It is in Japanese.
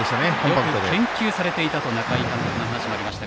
よく研究されていたと中井監督の話もありました。